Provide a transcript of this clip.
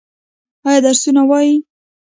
ایا درسونه وايي؟